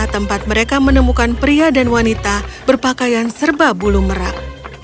tempat mereka menemukan pria dan wanita berpakaian serba bulu merak